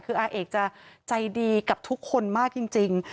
คืออเอกสวพงศ์จะใจดีกับทุกคนมากจริง